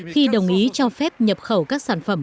khi đồng ý cho phép nhập khẩu các sản phẩm